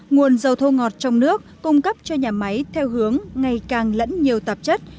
nguồn dầu thô ngọt trong nước cung cấp cho nhà máy theo hướng ngày càng lẫn nhiều tạp chất